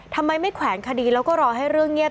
ทำไมไม่แขวนคดีแล้วก็รอให้เรื่องเงียบ